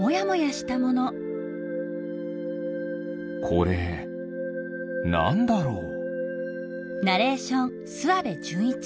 これなんだろう？